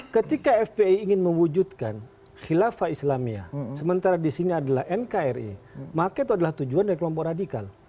ketika fpi ingin mewujudkan khilafah islamia sementara di sini adalah nkri maka itu adalah tujuan dari kelompok radikal